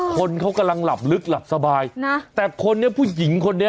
คนเขากำลังหลับลึกหลับสบายนะแต่คนนี้ผู้หญิงคนนี้